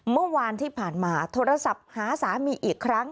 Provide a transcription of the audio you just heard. เมื่อวานที่ผ่านมาโทรศัพท์หาสามีอีกครั้ง